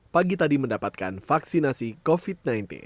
pagi tadi mendapatkan vaksinasi covid sembilan belas